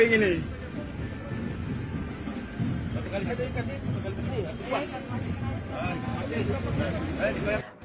tenggara ini ikan ikan ini